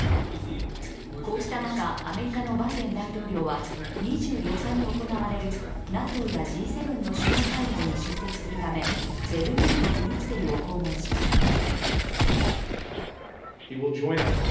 こうした中、アメリカのバイデン大統領は２４日に行われるＮＡＴＯやＧ７の首脳会合に出席するためベルギーのブリュッセルを訪問します。